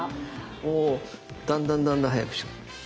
こうだんだんだんだん速くしていく。